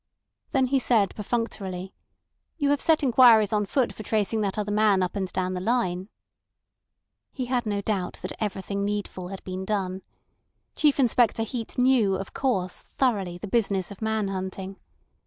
Then he said perfunctorily: "You have set inquiries on foot for tracing that other man up and down the line?" He had no doubt that everything needful had been done. Chief Inspector Heat knew, of course, thoroughly the business of man hunting.